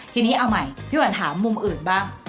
ทีนี้เอาใหม่พี่วันถามมุมอื่นบ้าง